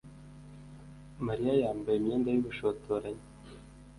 Mariya yambaye imyenda yubushotoranyi